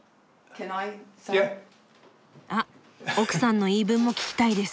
あっ奥さんの言い分も聞きたいです。